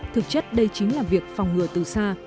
thực chất đây chính là việc phòng ngừa từ xa